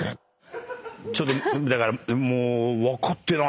ちょっとだからもう。